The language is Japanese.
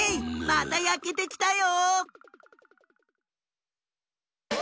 またやけてきたよ！